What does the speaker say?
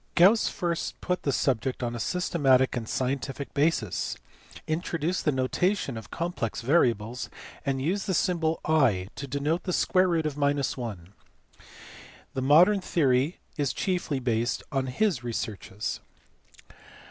Gauss first put the subject on a systematic and scientific basis, introduced the notation of complex variables, and used the symbol i to denote the square root of 1 : the modern theory is chiefly based on his researches.